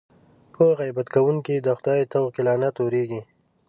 په غیبت کوونکي د خدای طوق لعنت اورېږي.